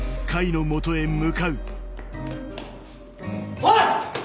おい！